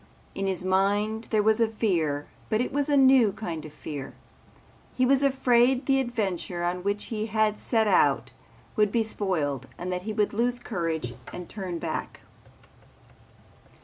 In his mind there was a fear but it was a new kind of fear. He was afraid the adventure on which he had set out would be spoiled, that he would lose courage and turn back.